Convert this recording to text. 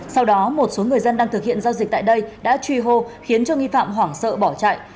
sau đó một số người dân đang thực hiện giao dịch tại đây đã truy hô khiến cho nghi phạm hoảng sợ bỏ chạy